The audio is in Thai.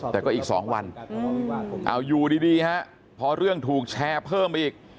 แต่ก็อีก๒วันเอาอยู่ดีฮะพอเรื่องถูกแชร์เพิ่มไปอีก